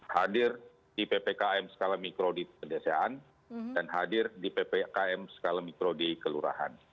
hadir di ppkm skala mikro di pedesaan dan hadir di ppkm skala mikro di kelurahan